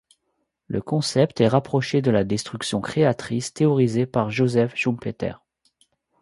Le concept est rapproché de la destruction créatrice théorisée par Joseph Schumpeter.